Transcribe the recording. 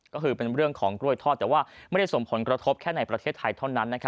ก็คือเป็นเรื่องของกล้วยทอดแต่ว่าไม่ได้ส่งผลกระทบแค่ในประเทศไทยเท่านั้น